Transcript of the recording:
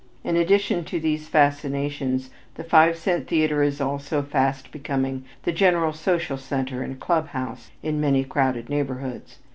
In addition to these fascinations, the five cent theater is also fast becoming the general social center and club house in many crowded neighborhoods.